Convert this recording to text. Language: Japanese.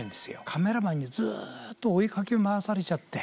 カメラマンにずっと追いかけ回されちゃって。